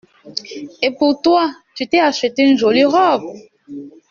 Et pour toi, tu t’es achetée une jolie robe?